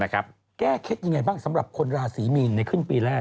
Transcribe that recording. แก้เคล็ดยังไงบ้างสำหรับคนราศีมีนในขึ้นปีแรก